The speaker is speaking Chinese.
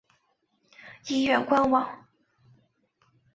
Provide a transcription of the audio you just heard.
医院官网